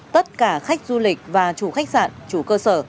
tất cả khách du lịch và chủ khách sạn chủ cơ sở